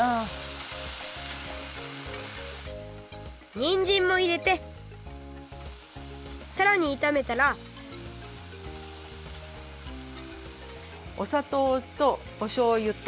にんじんも入れてさらにいためたらおさとうとおしょうゆと。